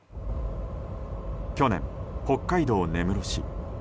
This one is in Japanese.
去年、北海道根室市。